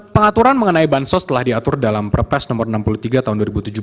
pengaturan mengenai bansos telah diatur dalam perpres nomor enam puluh tiga tahun dua ribu tujuh belas